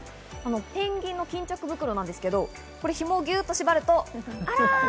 ペンギンの巾着袋なんですけど、紐をぎゅっと縛ると、あら！